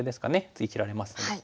次切られますので。